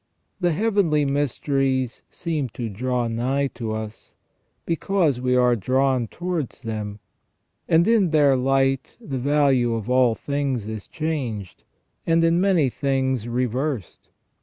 The heavenly mysteries seem to draw nigh to us, because we are drawn towards them, and in their light the value of all things is changed, and in many things reversed.